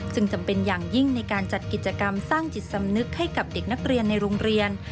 จำเป็นอย่างยิ่งในการจัดกิจกรรมสร้างจิตสำนึกให้กับเด็กนักเรียนในโรงเรียน